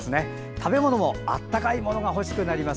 食べ物も、温かいものが欲しくなります。